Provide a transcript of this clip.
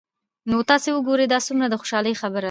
نو تاسي وګورئ دا څومره د خوشحالۍ خبره ده